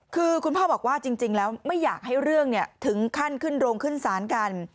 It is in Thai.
คือคุณพ่อบอกว่าจริงแล้วไม่อยากให้เรื่องถึงขั้นขึ้นโรงขึ้นศาลกัน